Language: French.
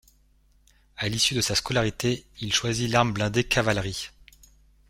À l'issue de sa scolarité, il choisit l'arme blindée cavalerie.